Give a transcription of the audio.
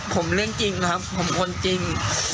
ผมเรื่องจริงนะครับผมคนจริง